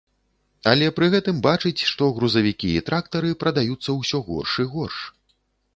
Але пры гэтым бачыць, што грузавікі і трактары прадаюцца ўсё горш і горш.